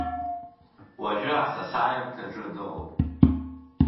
Уажәы асасааирҭаҿы дыҟоуп.